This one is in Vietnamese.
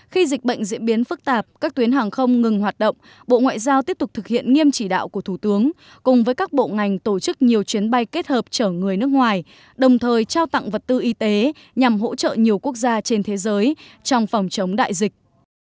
khi dịch bệnh diễn biến phức tạp các tuyến hàng không ngừng hoạt động bộ ngoại giao tiếp tục thực hiện nghiêm chỉ đạo của thủ tướng cùng với các bộ ngành tổ chức nhiều chuyến bay kết hợp chở người nước ngoài đồng thời trao tặng vật tư y tế nhằm hỗ trợ nhiều quốc gia trên thế giới trong phòng chống đại dịch